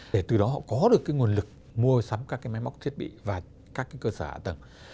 để từ đó họ có được cái nguồn lực mua sắm các cái máy móc thiết bị và các cái cơ sở hạ tầng